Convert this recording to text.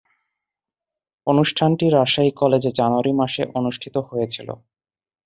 অনুষ্ঠানটি রাজশাহী কলেজে জানুয়ারি মাসে অনুষ্ঠিত হয়েছিলো।